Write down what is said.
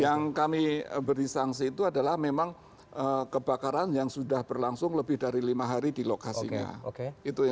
yang kami beri sanksi itu adalah memang kebakaran yang sudah berlangsung lebih dari lima hari di lokasinya